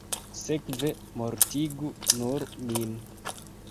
Sekve, mortigu nur min.